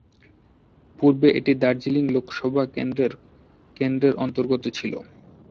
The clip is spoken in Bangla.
পূর্বে এটি দার্জিলিং লোকসভা কেন্দ্রের কেন্দ্রের অন্তর্গত ছিলো।